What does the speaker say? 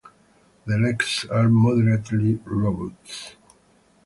The legs are moderately robust.